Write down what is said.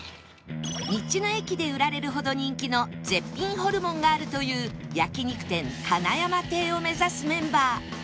道の駅で売られるほど人気の絶品ホルモンがあるという焼肉店カナヤマテイを目指すメンバー